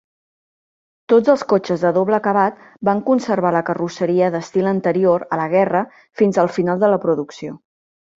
Tots els cotxes de doble acabat van conservar la carrosseria d'estil anterior a la guerra fins al final de la producció.